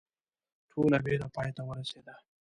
ټوله ویره پای ته ورسېده.